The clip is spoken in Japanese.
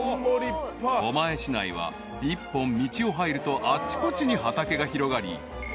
［狛江市内は一本道を入るとあちこちに畑が広がり］